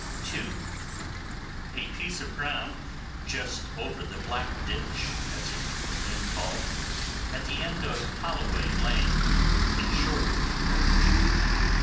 (2) A piece of ground just over the Black Ditch, as it was then called, at the end of Holloway Lane, in Shoreditch parish.